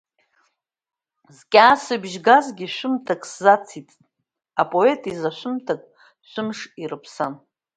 Зкьаасбыжь газгьы шәымҭак сзациҵт, апоет изы шәымҭак шәымш ирыԥсан.